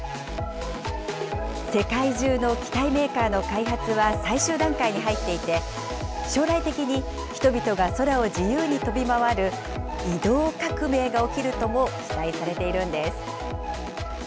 世界中の機体メーカーの開発は最終段階に入っていて、将来的に人々が空を自由に飛び回る、移動革命が起きるとも期待されているんです。